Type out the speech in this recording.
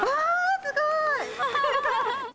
すごい！